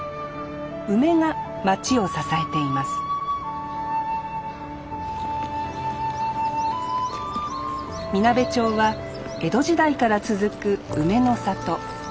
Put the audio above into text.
梅が町を支えていますみなべ町は江戸時代から続く梅の里。